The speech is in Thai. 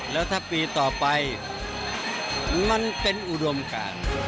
แล้วถ้าปีต่อไปมันเป็นอุดมการ